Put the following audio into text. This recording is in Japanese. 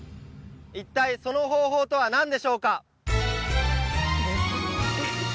一体その方法とは何でしょうか？